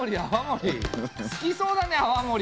好きそうだね泡盛。